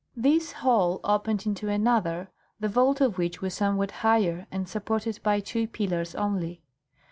This hall opened into another, the vault of which was somewhat higher and supported by two pillars only.